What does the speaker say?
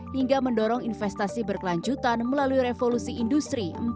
hingga mendorong investasi berkelanjutan melalui revolusi industri empat